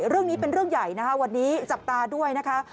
เรื่องนี้เป็นเรื่องใหญ่นะคะวันนี้จับตาด้วยนะคะ